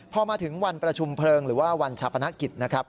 พอมาถึงวันประชุมเพลิงหรือว่าวันชัพพนักกิจ